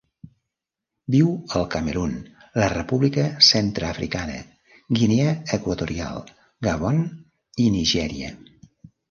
Viu al Camerun, la República Centreafricana, Guinea Equatorial, Gabon i Nigèria.